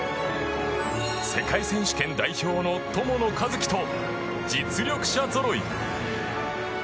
世界選手権代表の友野一希と実力者ぞろい。